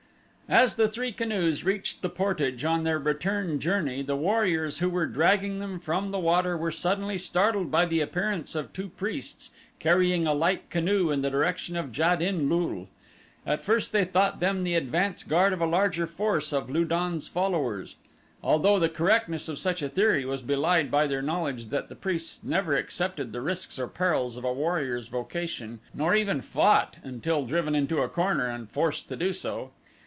As the three canoes reached the portage on their return journey the warriors who were dragging them from the water were suddenly startled by the appearance of two priests, carrying a light canoe in the direction of Jad in lul. At first they thought them the advance guard of a larger force of Lu don's followers, although the correctness of such a theory was belied by their knowledge that priests never accepted the risks or perils of a warrior's vocation, nor even fought until driven into a corner and forced to do so.